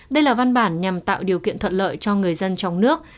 đây là văn bản nhằm tạo điều kiện thuận lợi cho người dân trong nước